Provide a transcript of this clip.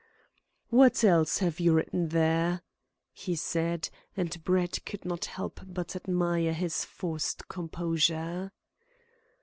"What else have you written there?" he said, and Brett could not help but admire his forced composure.